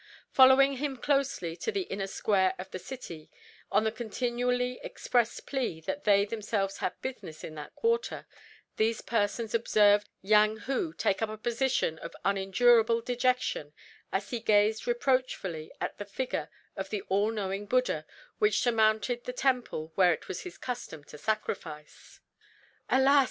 Following him closely to the inner square of the city, on the continually expressed plea that they themselves had business in that quarter, these persons observed Yang Hu take up a position of unendurable dejection as he gazed reproachfully at the figure of the all knowing Buddha which surmounted the Temple where it was his custom to sacrifice. "Alas!"